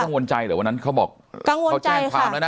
งวนใจเหรอวันนั้นเขาบอกเขาแจ้งความแล้วนะ